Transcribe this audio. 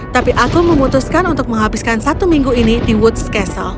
tapi aku memutuskan untuk menghabiskan satu minggu ini di woods castle